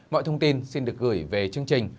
mọi thông tin xin được gửi về chương trình